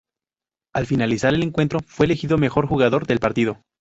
Al finalizar el encuentro fue elegido mejor jugador del partido.